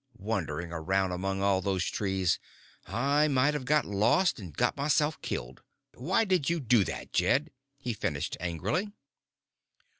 Wandering around among all these trees, I might have got lost and got myself killed. Why did you do that, Jed?" he finished angrily.